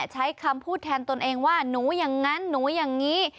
ใช้คำพูดแทนตนเองว่าหนูอย่างนั้นหนูอย่างนี้